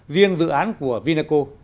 riêng dự án của vinaco